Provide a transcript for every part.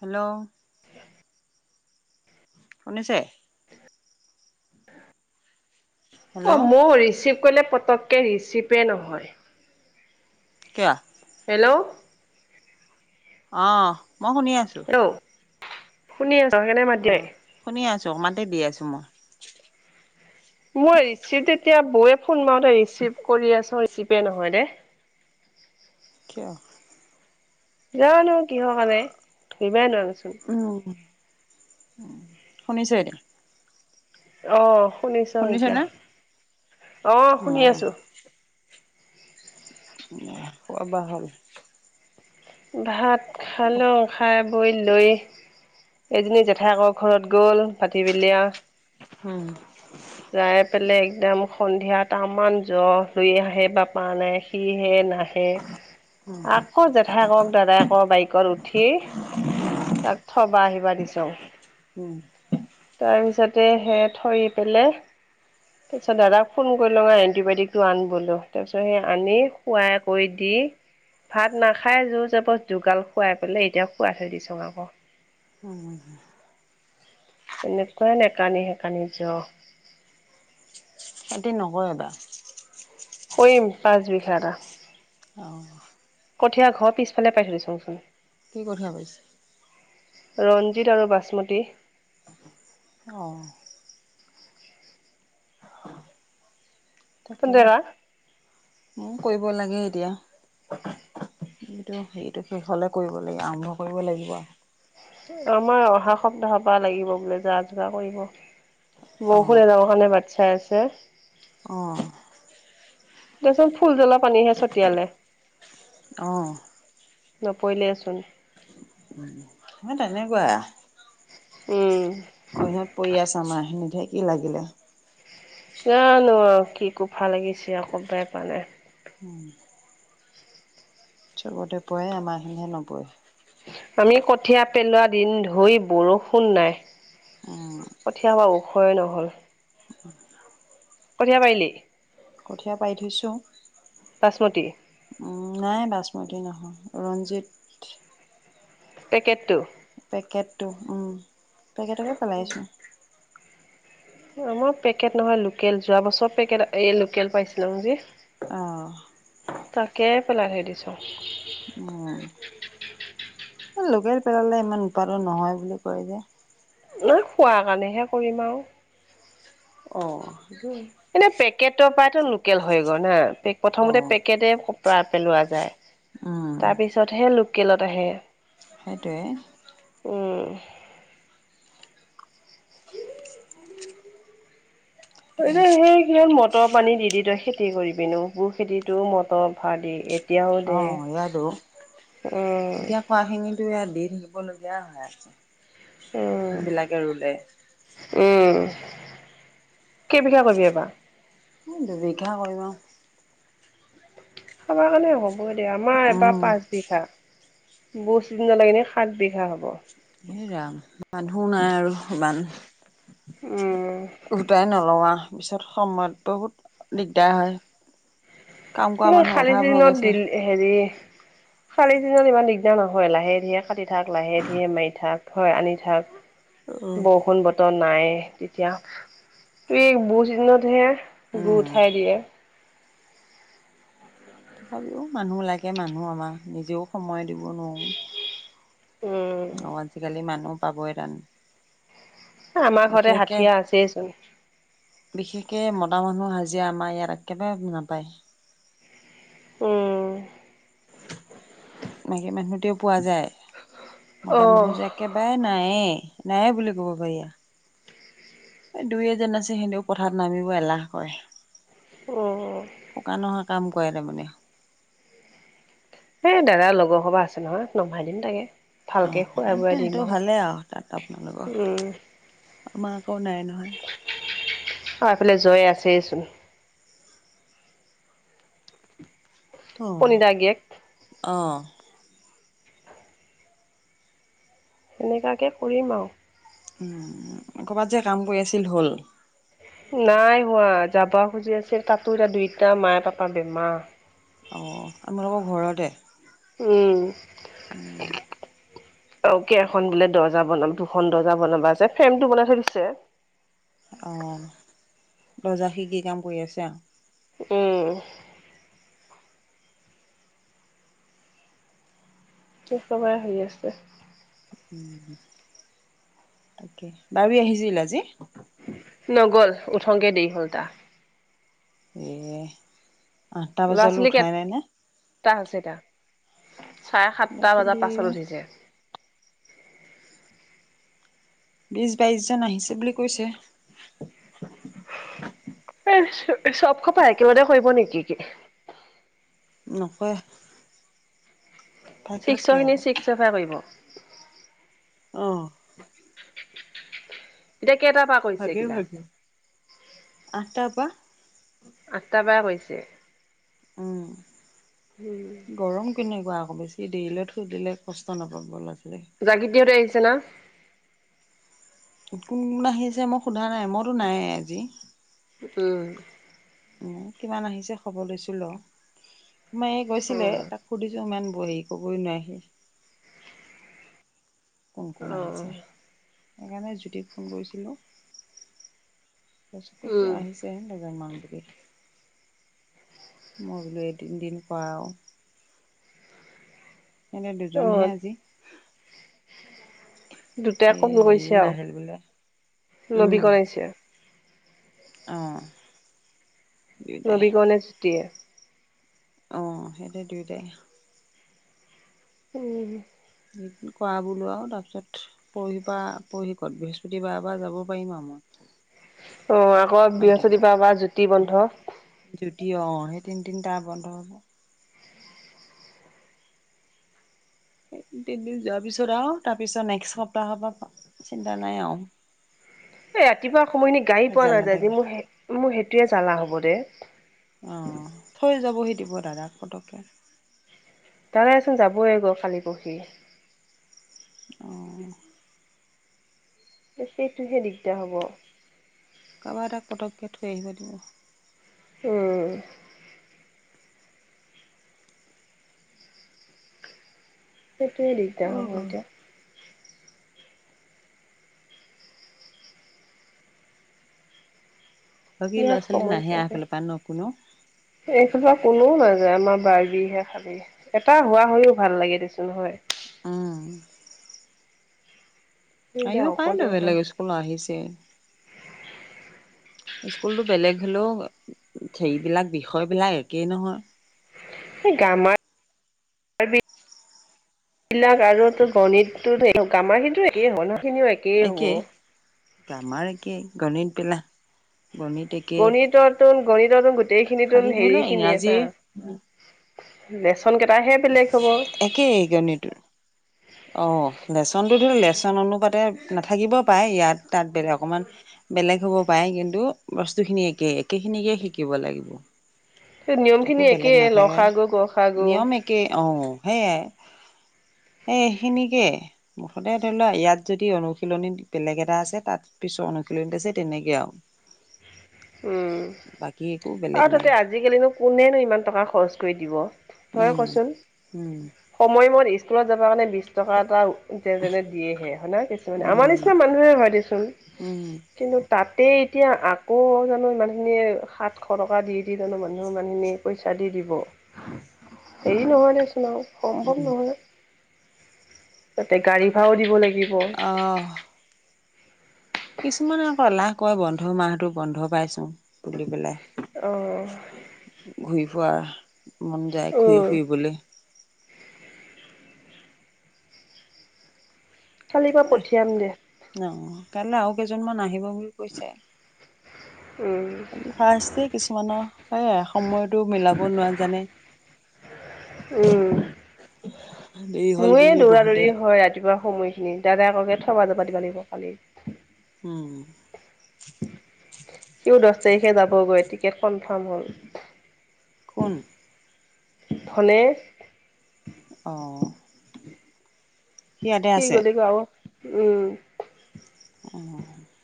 Hello শুনিছে hello অ মই ৰিচিভ কৰিলে পতককে ৰিচিভে নহয় কিয় হেল্ল' অ মই শুনি আছো [unintelligible] শুনি আছো অঁ [unintelligible] শুনি আছো মাতে দি আছো মই মই ৰিচিভ এতিয়া বৌয়ে ফোন মাৰোতে ৰিচিভ কৰি আছো ৰিচিভে নহয় দে কিয় যাানো কিহৰ কাৰণে ধৰিবাই নোৱাৰোচোন শুনিছোঁ এতিয়া অ শুনিছ এতিয়া শুনিছেনে অ শুনি অঁ আছো খোৱা বোৱা হল ভাত খালো খাই বৈ লৈ এজনী জেঠাইকৰ ঘৰত গ'ল ভাটিবেলা [inaudible] যাই পেলাই একদম সন্ধিয়াত তামাম জ্বৰ হৈ আহে বাপা নে ই সিহে নাই উম আকৌ জেঠাকৰ দাদাকৰ বাইকত উঠি তাক থবা আহিবা দিছং [inaudible] তাৰপিছতে সে থৈ পেলে তাৰপিছত দাদাক ফোন কৰিলং এণ্টিবায়টিকটো আন বলোঁ তাৰপিছত সেই আনি [inaudible] ভাত নাখায় যোৰ যবস্ত, [unintelligible] খোৱাই পেলাই এতিয়া শুৱাই থৈ দিছোং আকৌ [inaudible] তেনেকুৱাই নেকানি সেকানি য [inaudible] কৰিম পাচ বিঘা অ', কঠীয়াৰ ঘৰ পিছফালে পাৰি থৈ দিচংচোন কি কঠা পাৰিছে? ৰঞ্জিত আৰু বাচমতী অ', তাকে, তন্তেকা উ, কৰিব লাগে এতিয়া এইটো, সেইটো, শেষ হ'লে কৰিব লাগিব আৰম্ভ কৰিব লাগিব আমাৰ অহা সপ্তাহৰ পৰা লাগিব বোলে, যা যোগাৰ কৰিব অঁ বৰষুণ [unintelligible] [unintelligible] বাট চাই আছে অ', দেচোন ফুল জ্বলা পানীহে ছটিয়ালে অ', নপৰিলেচোন [inaudible] তেনেকুৱা উম, [unintelligible] পৰি আছে, আমাৰ খিনিতহে কি লাগিলে জানো আৰু কি কোফা লাগিছে ক'বাই পাৰা নাই [inaudible] সবতে পৰে, আমাৰখিনিহে নপৰে আমি কঠীয়া পেলোৱা দিন ধৰি বৰষুণ নাই উম কঠীয়াবোৰ‌ ওখয়ে নহল কঠীয়া পাৰিলি? কঠীয়া পাৰি থৈছো বাচমতি নাই বাচমতি, নহয় ৰঞ্জিত পেকেটটো পেকেটটো উম, পেকেটকে পেলাইছো মই পেকেট নহয়, লোকেল যোৱা বছৰ পেকেট এই লোকেল পাইছিলো যে অ', [unintelligible] লাগে দিছো উ, লোকেল পেলালে, ইমান উৎপাদন নহয় বুলি কয় যে নাই খোৱাৰ, কাৰণেহে কৰিম আৰু অ', সেইটো এনে পেকেটৰ পৰাতো লোকেল হৈ গ'ল নাে প্ৰথমতে অঁ পেকেট পেলোৱা যায় উম তাৰপিছতহে, লোকেলত আহে সেইটোৱে অ', উ, এই যে সেই সহত মটৰ পানী দি দি তই খেতি কৰিবি নো, বোৰ খেতিটো মটৰ ভাৰ দি এতিয়াও দে অঁ ইয়াতো এতিয়া খোৱাখিনিতো ইয়াত দি থাকিবলগীয়া হয় আ উম উম কেই বিঘা কৰিবি এই বাৰ দুবিঘা কৰিম আৰু খাব কাৰণে হ'ব দে আমাৰ এবাৰ উম পাঁচবিঘা বহ দিন লাগনে সাত বিঘা হ'ব এৰাম মানুো নাই আৰু ইমান উম, উটাই নলোৱাা তাৰ পিছত সময়ত বহুত দিগদাৰ হয় কাম কৰা মই মানুহ খালি অভাৱ হৈ গৈছে হেৰি কালি ছিজনত ইমান দিগদাৰ নহয় লাহে ধীৰে কাটি থাক লাহে ধীে মাৰি থাক হয় আনি থাক বৰষুণ বতৰ নাই তেতিয়া ত এই বহুত দিনতহে গু উম। উঠাই দিয়ে তথাপিও মানুহ লাগে মানুহ আমাৰ নিজেও সময় দিব নোৱাৰোঁ উম। অ আজিকালি মানুহ পাবই তণ আমাৰ ঘৰতে হাঠিয়া আছেচোন বিশেষকৈ মদা মানুহ হাজিৰা আমাৰ ইয়াত একেবাৰে নাপায় অঁ বাকী মানুহতে পোৱা যায় অ মদা মানুহ যে একবাৰে নায়েই নায়েই বুলি ক'ব পাৰিা দুই এজন আছে সিহতেও পথাৰাত নামিব এলাহ কৰে অ শুকান নোহোৱা কাম কৰে তাৰমানে এ দাদা লগৰ সবা আছে নহয় নমভাই দম তাকে ভালকে অঁ খুৱাই বোৱাই দিম সেইটো ভালেই আৰু তাত উম আপোনালোকৰ আমাৰ আকৌ নাই নহয় অ এইফালে জয়ে আছেচোন অঁ পণিতা গীয়েক অঁ তেনেকুৱাকৈ কৰিম আৰু ক'ৰবাত যে কাম কৰি আছিল হ'ল নাই হোৱা যাব খুজি আছিল তাতো এতিয়া দুইতটা মায়ে পাপা বেমাৰ অ আমালোকৰ ঘৰতে উম অ ক এখন বোলে দৰ্জা বনাম দুখন দৰ্জা বনাবা আ ফ্ৰেম টো বনাই থৈ দিছে অ দজা সি কি কাম কৰি আছে আৰু উম সেই চবৰে হৈ আছে উম তাকে বাবি আহিছিল আজি নগ'ল উঠংতে দেৰি হ'ল তাৰ এই আঠটা বজালৈ উঠাই নাই নে টাৰ হৈছে এতিয়া চাৰে ল'ৰা সাতটা ছোৱালী বজাত পাছত উঠিছে বিশ বাইশ জন আহিছে বুলি কৈছে এ চব খপ একেলগে কৰিব নেকি নকৰে ছিক্স খিনি চিক্স এফাই কৰিব অ এতিয়া কেইটা ভাগে ভাগে আঠটাৰ পৰা আঠটা পা কৰিছে উম হম গৰম কেনেকুৱা আকৌ বেছি দেৰিলৈ থৈ দিলে কষ্ট নাপাব লৰা ছোৱালী জাগি দিহঁতে আহিছে না কোন কোন আহিছে মই সোধা নাই মইতো নাই এ আজি উম উ কিমান আহিছে খবৰ লৈছিল আৰু মই এই গৈছিলে অ', তাত সুধিছো ইমান বহি ক'বই নোৱাৰি সি কোন কোন অ', আহিছে সেইকাৰণে জ্যোতিক ফোন কৰিছিলোঁ কৈছে কৈছে উম। আহিছে লেজং মা বুলি মই বোলো এই তিনিদিন কৰা আৰু এনে দুজনহে অ', আজি দুটাই এই কম হেৰিও গৈছে নাহিল বোলে আৰু নবীকণাইছে অঁ নবীকৰণে ছুতিয়ে অ সিহঁতে দুয়টাই উম কৰা বোলো আৰু তাৰপিছত পৰহি পৰা পৰহি ক'ত বৃহস্পতিবাৰৰ পৰা যাব পাৰিম আৰু মই অ আকৌ বৃহস্পতি পাৰ বা জ্যোতি বন্ধ জ্যোতি অ সেই তিনিদিন তাৰ বন্ধ হ'ব তিনিদিন যোৱাৰ পিছত আৰু তাৰ পিছত নেক্সট সপ্তাহৰ পৰা চিন্তা নাই আৰু এই ৰাতিপুৱা সময়খিনি গাড়ী পোৱা ভেজাল নাযায় নাথাকে মোৰ মোৰ সেইটোয়ে জালা হ'ব ৰে অ থৈ যাবহি দিব দাদাক পটকে তাৰেচোন যাবই এ লাগিব কালি পৰহি অ সেইটোহে দিগদাৰ হ'ব কাৰোবাৰ এটা পতকে থৈ আহিব দিব উম সেইটয়ে অ দিগদাৰ হ'ব এতিয়া বাকি ল'ৰা বিৰাট ছোৱালী নাহে সেইফালে পা ন কোনো এইখোপা কোনোও নাযায় আমাৰ বাৰ্বিহে খালী এটা হোৱা হৈ ভাল লাগে দেচোন নহয় উম এতিয়া আহিব অকলে পাৰেতো হয় বেলেগ স্কুলৰ আহিছে স্কুলতো বেলেগ হ'লেও হেৰিবিলাক বিষয়বিলাক একেই নহয় গামাৰ [unintelligible] এই বিলাক আৰু গণিততো গামাৰখিনিও একে হয়না। একেই গ্ৰামাৰ একেই গণিত পেলা গণিত এক গণিত ত গণিত ত গোটেইখিনি তম খালি ধৰি হেৰি লও খিনি ইংৰাজী এটা লেচন কেইটাহে বেলেগ হব। কি গনিতটো? অ লেচনতো ধৰি লেচন অনুপাতে নাথাকিবও পাই ইয়াত তাত বেলে অকমান বেলেগ হ'ব পাৰে কিন্তু বস্তুখিনি একে একে খিনিকে শিকিব লাগিব। সেই একো নিয়মখিনি একেই ল খা গু গ খা গু। কে অ সেইয়াই এইখিনিকে মু সদায় ধৰি লোৱা ইয়াত যদি অনুশীলনী বেলেগ এটা আছে তাত পিছৰ অনুশীলনত আছে তেনেকে আৰু। [inaudible] উম বাকী একো বেলেগ আৰু তাতে নাই। আজিকালিনো কোনেনো ইমান টকা খৰচ কৰি দিব। তই উম, কচোন উম, সময়মত স্কুলত যাব কাৰণে বিশ টকা এটা তে যেনে দিয়েহে হয়না কিছুমানে আমাৰ উম, নিচিনা মানুহে হয় দেচোন। উম, কিন্তু তাতে এতিয়া আকৌ জানো ইমানখিনিয়ে সাত শ টকা দি দি তানো মানুহ মানখিনি পইচা দি দিব হেৰি নহয় দেচোন আৰু। সম্ভৱ উম। নহয়। তাতে গাড়ী ভাড়াও দিব লাগিব। অ' কিছুমানে আকৌ এলাহ কয় বন্ধ মাহটো বন্ধ পাইছোঁ বুলি পেলাই। অ' ঘূৰি ফুৰা মন যায় ঘূৰি উম। ফুৰিবলৈ। কালিৰ পৰা পঠিয়াম দে। ন কাইলৈ আৰু কেইজনমান আহিব বুলি কৈছে। উম। আজি ফাৰ্ষ্ট যে কিছুমানৰ এ সময়তটো মিলাব নাজানে। উম। এই হ'ল মোৰে বুলি দৌৰা বহুতে দৌৰি হয় ৰাতিপুৱা সময়ত। সময়খিনি দায়েককে থবা যাবা দিব লাগিব কালি। উম। সিও দহ তাৰিখে যাবগৈ টিকেট কনফাৰ্ম হ'ল। কোন? ধনে। অ' ইয়াতে সি আছে গলেগে উম। উম।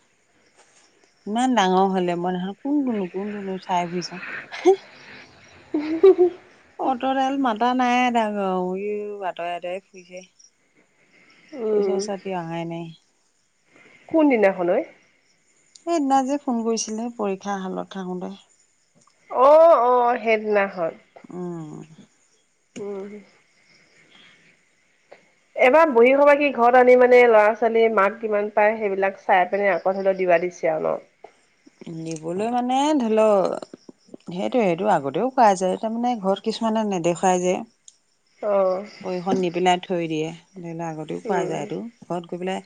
ইমান ডাঙৰ হ'লে মই সেইদিনা খন কোন টুনো কোন টুনো চাই ফুৰিছো। [unintelligible] অঁতৰেল মতা নাই ডাঙৰ উই উই বাতৰে আতৰে ফুৰিছে। উম ওচৰ চাপি অহাই নাই। কোন দিনা খন ঐ? সেই দিনা যে ফোন কৰিছিলে পৰীক্ষা হলত থাকোতে। অ' অ' সেইদিনাখন। উম। উম। এবাৰ বহী খবা কি ঘৰত আনি মানে ল'ৰা ছোৱালী মাক কিমান পায় সেইবিলাক চাই পিনে আচো। কথলত দিবা দিছে আৰু ন? দিবলৈ মানে ধৰি লওঁ। সেইটো, সেইটো, আগতেও পাইছে, তাৰমানে ঘৰত কিছুমানে নেদেখুৱাই যে। অ বহীখন নি পেলাই থৈ দিয়ে, ধৰি লওঁ আগতেও পোৱা উম যায়। এইটো ঘৰত গৈ পেলাই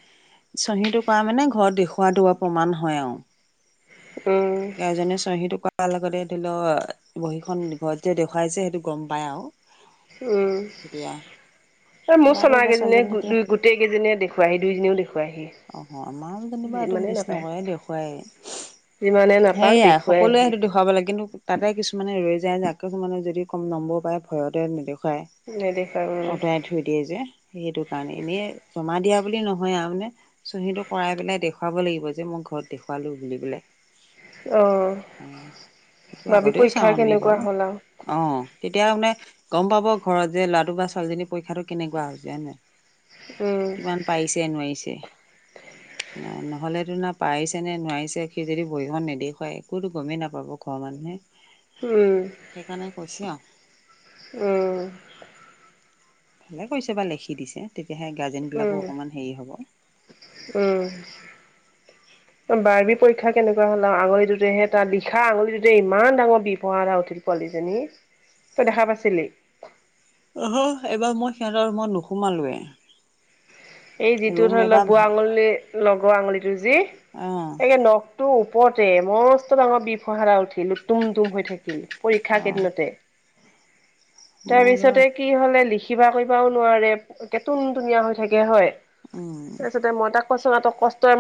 চহীটো কৰা মানে, ঘৰত দেখুওৱা টো আৰু প্ৰমাণ হয় আৰু উম। এইজনিয়ে চহী টো কৰাৰ লগে লগে, ধৰি লওঁ বহীখন ঘৰত যে দেখুৱাইছে। সেইটো গ'ম পাই আৰু। উম, তেতিয়া তই মোৰ ল'ৰাটো বা চলাইনিম নে ছোৱালীজনী গোট এতিয়া দুই গোট। গোটেইকেইজনীয়ে দেখুৱাই হি, দুইজনীয়েও দেখুৱাই হি। অ' আমাৰো যেনিবা এইটো মিচ নহয়, দেখুৱাইয়ে। যিমানে নাপাওক সেয়াই দেখুৱাই সকলোৱে আহি সেইটো দেখুৱাব লাগে। কিন্তু তাতে কিছুমানে ৰৈ যায় যে আকক যদি কম নম্বৰ পাই ভয়তে নেদেখুৱায়। নেদেখোৱাই অঁতৰাই বাৰু। থৈ দিয়ে যে, সেইটো কাৰণে এনে জমা দিয়া বুলি নহয় আৰু মানে চহীটো কৰাই পেলাই দেখুৱাব লাগিব, যে মই ঘৰত দেখুৱালো বুলি পেলায়। অ বাবি আগতেও পৰীক্ষা চাওঁ আমি কেনেকুৱা বাৰু, হ'ল আৰু অ'তেতিয়া মানে গ'ম পাব ঘৰত যে ল'ৰাটো বা ছোৱালীজনীৰ পৰীক্ষাটো কেনেকুৱা হৈছে। [unintelligible] উম কিমান পাৰিছে, নোৱাৰিছে। [unintelligible] নহ'লেতো না পাৰিছে নে নোৱাৰিছে সি যদি বহীখন নেদেখুৱাই একোতো গমেই নাপাব ঘৰৰ মানুহে। উম। সেইকাৰণে কৈছোঁ আৰ। উম। ভালে কৰিছে বা লেখি দিছে তেতিয়াহে গাৰ্জেনবিলাকো অকমান হেৰি হ'ব। উম। বাৰ্বিৰ পৰীক্ষা কেনেকুৱা হ'ল আৰু আঙুলিটো [unintelligible] আঙুলিটোতে ইমান ডাঙৰ [unintelligible] উঠিছে। পোৱালিজনী, তই দেখা পাইছিলি? অহ' এইবাৰ মই সিহঁতৰ ঘৰত নোসোমালোৱে। এই যিটো ৰুম ধৰি লোৱা বুঢ়া এবাৰ আঙুলি লগৰ আঙুলিটো যি, অ সেয়ে নখ [unintelligible] ওপৰতে মস্ত ডাঙৰ [unintelligible] উঠিল তুম তুম হৈ থাকিল পৰীক্ষা অ কেইদিনতে। তাৰ মোৰ পিছতে কি হ'লে লিখিবা কৰিবাও নোৱাৰে [unintelligible] তুনতুনীয়া হৈ থাকে হয়। অ'। যে মই তাক কৈছোঁ [unintelligible]